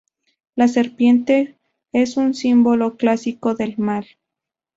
La serpiente es un símbolo clásico del mal.